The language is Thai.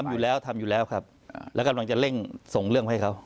อยู่แล้วทำอยู่แล้วครับแล้วกำลังจะเร่งส่งเรื่องมาให้เขา